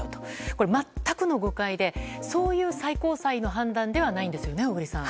これ全くの誤解でそういう最高裁の判断ではないんですよね、小栗さん。